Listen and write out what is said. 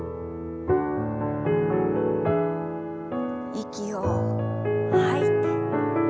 息を吐いて。